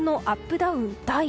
ダウン大。